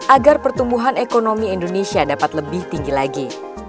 agar pertumbuhan ekonomi indonesia dapat lebih tinggi lagi